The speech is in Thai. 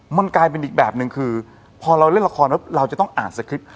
มันกลายเป็นอีกแบบหนึ่งคือพอเราเล่นละครแล้วเราจะต้องอ่านสคริปต์